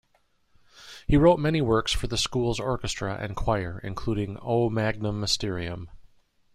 He wrote many works for the school's orchestra and choir, including "O Magnum Mysterium".